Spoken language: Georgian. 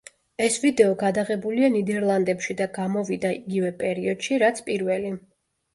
ეს ვიდეო გადაღებულია ნიდერლანდებში და გამოვიდა იგივე პერიოდში, რაც პირველი.